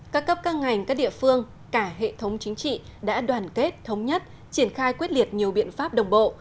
các cấp các ngành các địa phương cả hệ thống chính trị đã đoàn kết thống nhất triển khai quyết liệt nhiều biện pháp đồng bộ